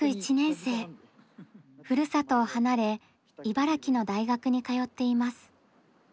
ふるさとを離れ茨城の大学に通っています。